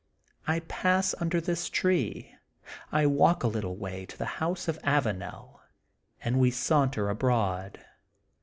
I pass under this tree. I walk a little way to the house of Avanel, and we saunter abroad.